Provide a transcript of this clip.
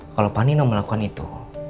kalau panino melakukan itu